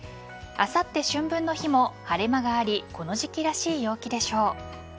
あさって春分の日も晴れ間がありこの時期らしい陽気でしょう。